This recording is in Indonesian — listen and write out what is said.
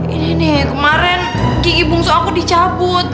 ini nih kemarin gigi bungsu aku dicabut